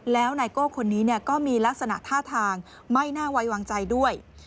แล้วไนโก้คนนี้ก็มีลักษณะท่าทางไม่น่าไว้วางใจด้วย